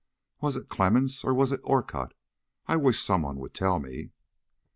"Was it Clemmens or was it Orcutt? I wish somebody would tell me."